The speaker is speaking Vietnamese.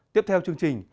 tiếp theo chương trình